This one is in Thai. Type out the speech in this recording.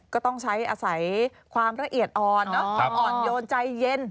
ก็ต้องใช้อาศัยความละเอียดอ่อนความอ่อนโยนใจเย็น